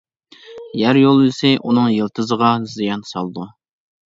يەر يولۋىسى ئۇنىڭ يىلتىزىغا زىيان سالىدۇ.